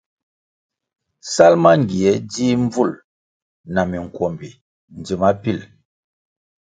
Sal mangie dzih mbvúl na minkwombi ndzima pil.